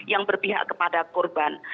yang berpihak kepada korban